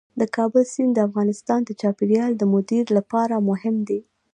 د کابل سیند د افغانستان د چاپیریال د مدیریت لپاره مهم دی.